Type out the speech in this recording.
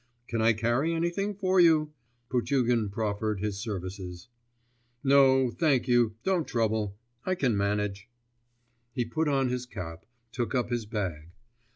'Can I carry anything for you?' Potugin proffered his services. 'No, thank you, don't trouble, I can manage....' He put on his cap, took up his bag.